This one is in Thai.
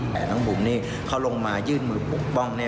แต่น้องบุ๋มนี่เขาลงมายื่นมือปกป้อง